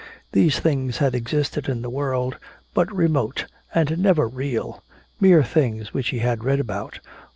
These things had existed in the world, but remote and never real, mere things which he had read about.